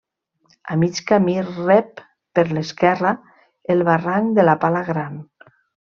A mig camí rep per l'esquerra el barranc de la Pala Gran.